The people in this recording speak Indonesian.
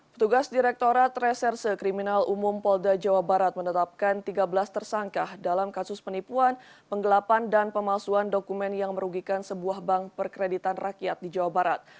petugas direkturat reserse kriminal umum polda jawa barat menetapkan tiga belas tersangka dalam kasus penipuan penggelapan dan pemalsuan dokumen yang merugikan sebuah bank perkreditan rakyat di jawa barat